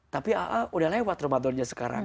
tapi aa udah lewat ramadan nya sekarang